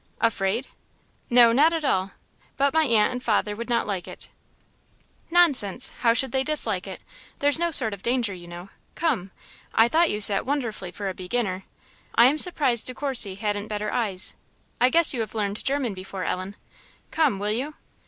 "Afraid?" "No, not at all; but my aunt and father would not like it." "Nonsense! how should they dislike it? There's no sort of danger, you know. Come! I thought you sat wonderfully for a beginner. I am surprised De Courcy hadn't better eyes. I guess you have learned German before, Ellen? Come, will you?"